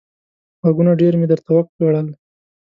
غږونه ډېر مې درته وکړل.